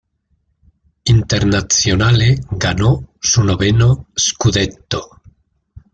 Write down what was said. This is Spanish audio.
Internazionale ganó su noveno "scudetto".